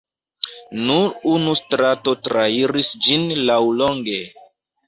Nur unu strato trairis ĝin laŭlonge.